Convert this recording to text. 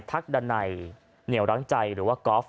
ทักดันัยเหนียวร้างใจหรือว่ากอล์ฟ